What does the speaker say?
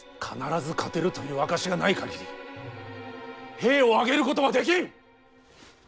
必ず勝てるという証しがない限り兵を挙げることはできん！